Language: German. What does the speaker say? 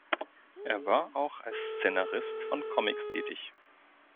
Er war auch als Szenarist von Comics tätig.